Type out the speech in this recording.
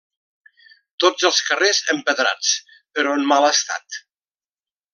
Tots els carrers empedrats, però en mal estat.